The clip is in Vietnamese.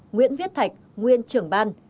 nguyễn viết thạch nguyên trưởng ban